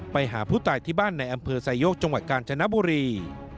ไปหาผู้ตายที่บ้านในอำเภอไซโยกจังหวัดกาญจนบุรี